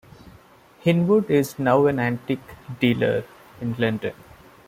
Hinwood is now an antiques dealer in London.